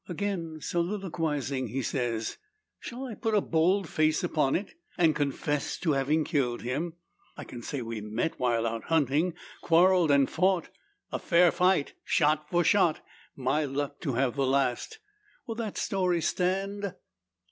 Again soliloquising, he says, "Shall I put a bold face upon it, and confess to having killed him? I can say we met while out hunting; quarrelled, and fought a fair fight; shot for shot; my luck to have the last. Will that story stand?"